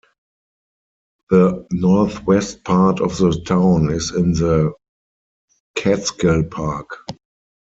The northwest part of the town is in the Catskill Park.